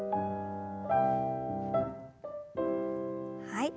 はい。